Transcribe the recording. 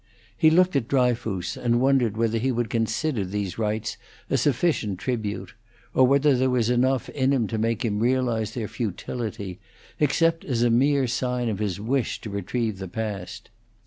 He looked at Dryfoos, and wondered whether he would consider these rites a sufficient tribute, or whether there was enough in him to make him realize their futility, except as a mere sign of his wish to retrieve the past.